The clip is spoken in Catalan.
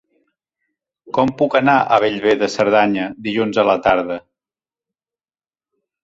Com puc anar a Bellver de Cerdanya dilluns a la tarda?